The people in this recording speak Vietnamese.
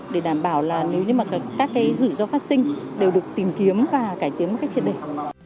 để đảm bảo là nếu như các rủi ro phát sinh đều được tìm kiếm và cải tiến một cách triệt đẩy